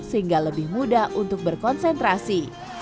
sehingga lebih mudah untuk berkonsentrasi